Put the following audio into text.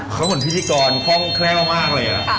เขาเป็นพิธีกรค่องคล่าวมากเลยอ่ะ